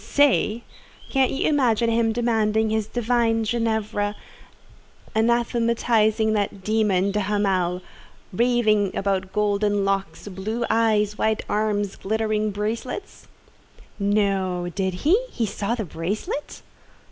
"Say! Can't you imagine him demanding his divine Ginevra, anathematizing that demon, de Hamal—raving about golden locks, blue eyes, white arms, glittering bracelets?" "No, did he? He saw the bracelet?"